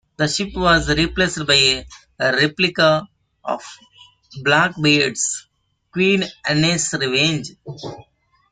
The ship was replaced by a replica of Blackbeard's "Queen Anne's Revenge".